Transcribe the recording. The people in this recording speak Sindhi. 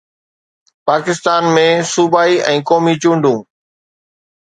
پاڪستان ۾ صوبائي ۽ قومي چونڊون